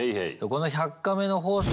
この「１００カメ」の放送